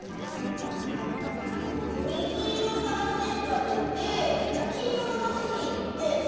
みずいろからせんがでてきいろのマスにいって。